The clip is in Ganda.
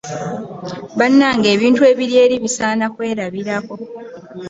Bannange ebintu ebiri eri bisaana kwerabirako.